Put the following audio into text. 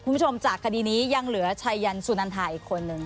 คุณผู้ชมจากคดีนี้ยังเหลือชัยยันสุนันทาอีกคนหนึ่ง